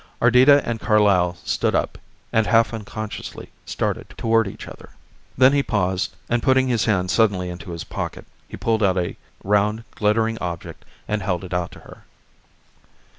Ardita and Carlyle stood up, and half unconsciously started toward each other. Then he paused and putting his hand suddenly into his pocket he pulled out a round, glittering object and held it out to her.